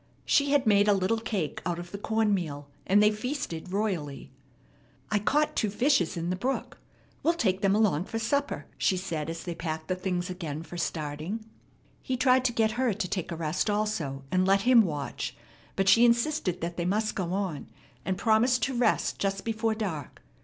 She had made a little cake out of the corn meal, and they feasted royally. "I caught two fishes in the brook. We'll take them along for supper," she said as they packed the things again for starting. He tried to get her to take a rest also, and let him watch; but she insisted that they must go on, and promised to rest just before dark.